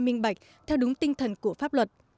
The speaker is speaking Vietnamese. minh bạch theo đúng tinh thần của pháp luật